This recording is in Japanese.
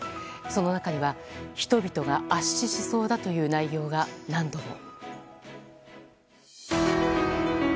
その中には、人々が圧死しそうだという内容が何度も。